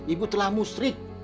ibu telah musri